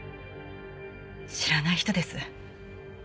知らない人です。